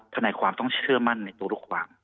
ทนายความต้องเชื่อมั่นในตัวลูกความ